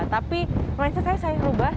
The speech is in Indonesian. tapi mindset saya saya ubah